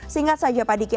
singkat saja pak diki